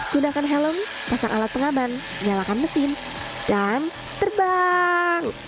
gunakan helm pasang alat pengaman nyalakan mesin dan terbang